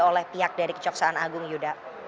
oleh pihak dari kejaksaan agung yuda